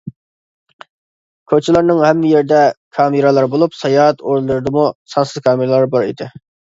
كوچىلارنىڭ ھەممە يېرىدە كامېرالار بولۇپ ساياھەت ئورۇنلىرىدىمۇ سانسىز كامېرالار بار ئىدى.